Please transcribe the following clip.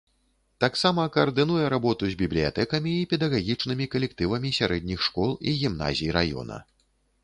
Таксама каардынуе работу з бібліятэкамі і педагагічнымі калектывамі сярэдніх школ і гімназій раёна.